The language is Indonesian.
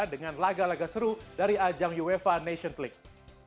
dengan laga laga seru dari ajang uefa nations league